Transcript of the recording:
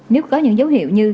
nếu có những dấu hiệu như